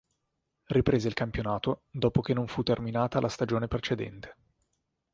Riprese il campionato dopo che non fu terminata la stagione precedente.